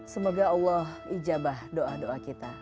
semoga allah ijabah doa doa kita